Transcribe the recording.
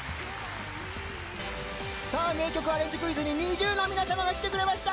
名曲アレンジクイズにＮｉｚｉＵの皆さんが来てくれました。